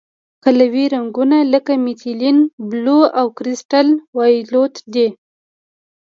قلوي رنګونه لکه میتیلین بلو او کرسټل وایولېټ دي.